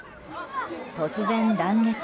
突然、断裂。